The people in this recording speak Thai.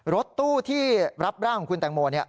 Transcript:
รถตู้ที่รับร่างของคุณแตงโม